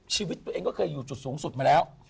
ชีวิตตัวเองก็เคยอยู่จุดสูงสุดมาแล้ว